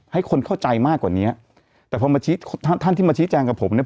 ให้คนเข้าใจมากกว่าเนี้ยแต่พอมาชี้ท่านท่านที่มาชี้แจงกับผมเนี่ย